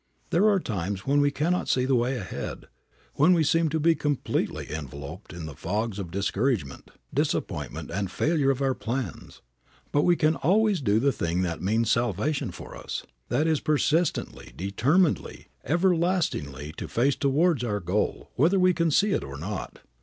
There are times when we cannot see the way ahead, when we seem to be completely enveloped in the fogs of discouragement, disappointment and failure of our plans, but we can always do the thing that means salvation for us, that is persistently, determinedly, everlastingly to face towards our goal whether we can see it or not.